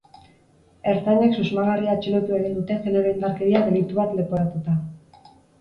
Ertzainek susmagarria atxilotu egin dute genero indarkeria delitu bat leporatuta.